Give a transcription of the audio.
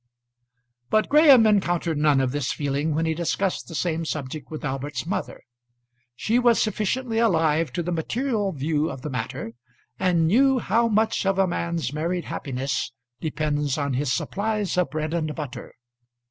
But Graham encountered none of this feeling when he discussed the same subject with Albert's mother. She was sufficiently alive to the material view of the matter, and knew how much of a man's married happiness depends on his supplies of bread and butter.